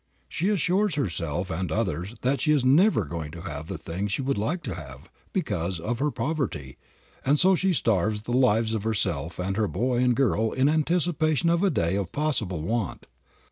She assures herself and others that she is never going to have the things she would like to have, because of her poverty, and so she starves the lives of herself and her boy and girl in anticipating a day of possible want.